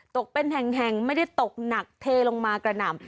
ตกเป็นแห่งไม่ได้ตกหนักเทลงมากระหน่ำ